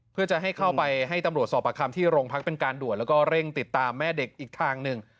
เพื่อจะให้เข้าไปให้ตำรวจสอบประคัมที่โรงพักเป็นการด่วนแล้วก็เร่งติดตามแม่เด็กอีกทางหนึ่ง